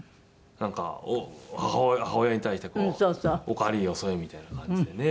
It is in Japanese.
なんか母親に対してこう「おかわりよそえ」みたいな感じでね。